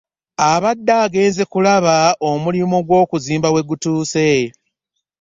Abadde agenze kulaba omulimu gw'okuzimba wegutuuse